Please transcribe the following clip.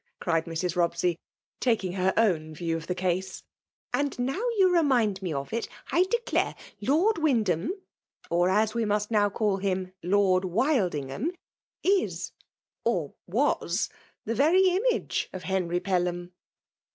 '' cried Mrs. Robsey, taking her owti view of the case :" and, now you remind mc of it, I declare Lord Wyndham, or as we murt now call him Lord Wildingham, is or tccis the very image of Henry Pelham."